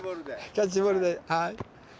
キャッチボールではい。